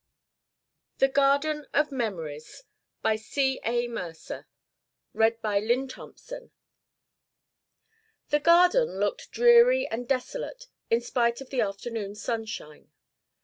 THE GARDEN OF MEMORIES BY C. A. MERCER The garden looked dreary and desolate in spite of the afternoon sunshine.